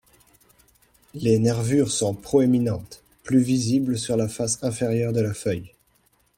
Les nervures sont proéminentes, plus visibles sur la face inférieure de la feuille.